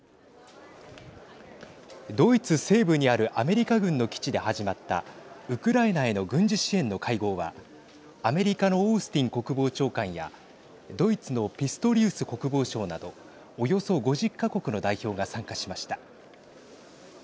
ドイツ西部にあるアメリカ軍の基地で始まったウクライナへの軍事支援の会合はアメリカのオースティン国防長官やドイツのピストリウス国防相などおよそ５０か国の代表が参加しました。